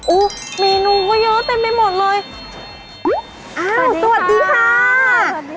อู้เมนูก็เยอะเต็มไปหมดเลยอ้าวสวัสดีค่ะสวัสดีค่ะ